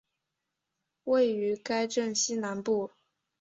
位于该镇西南部。